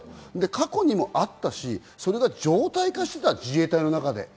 過去にもあったし、それが常態化していた自衛隊の中で。